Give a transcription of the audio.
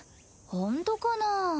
ほんとかなぁ？